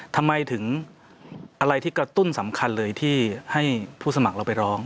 ทำไมถึงอะไรที่กระตุ้นสำคัญเลยที่ให้ผู้สมัครเราไปร้อง